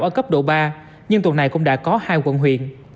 ở cấp độ ba nhưng tuần này cũng đã có hai quận huyện